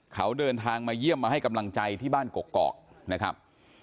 เขาเดินทางมาเยี่ยมมาให้กำลังใจที่บ้านกกอกนะครับ